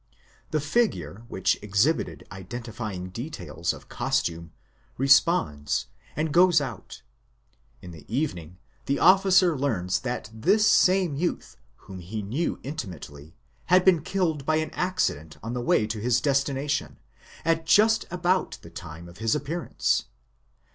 The figure, which exhibited identifying details of costume, responds and goes out. In the evening the officer learns that this same youth, whom he knew intimately, had been killed by an accident on the way to his destination, at just about the time of his appearance.